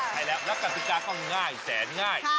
ใช่แล้วรับกรรมศึกษาข้างง่ายแสนง่าย